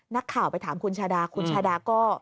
นักข่าวไปถามคุณชาดาคุณชาดาก็